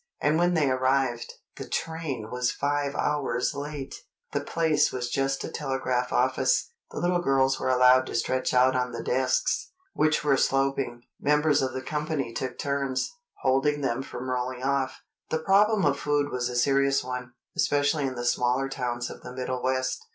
And when they arrived, the train was five hours late! The place was just a telegraph office; the little girls were allowed to stretch out on the desks, which were sloping;—members of the company took turns, holding them from rolling off. The problem of food was a serious one, especially in the smaller towns of the Middle West.